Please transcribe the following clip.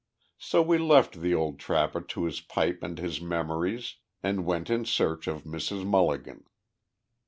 So we left the old trapper to his pipe and his memories, and went in search of Mrs. Mulligan.